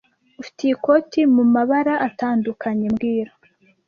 Ufite iyi koti mumabara atandukanye mbwira